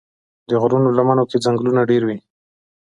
د غرونو لمنو کې ځنګلونه ډېر وي.